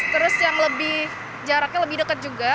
terus yang lebih jaraknya lebih dekat juga